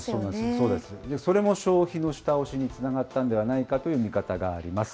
そうです、それも消費の下押しにつながったのではないかという見方があります。